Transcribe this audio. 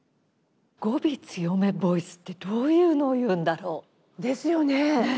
語尾強めボイスってどういうのをいうんだろう？ですよね！